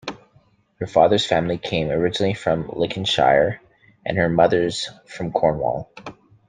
Her father's family came originally from Lincolnshire and her mother's from Cornwall.